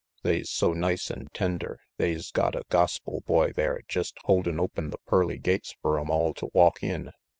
They's so nice and tender they's got a gospel boy there jest holdin' open the pearly gates fer 'em all to walk in.